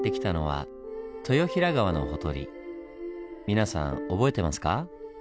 皆さん覚えてますか？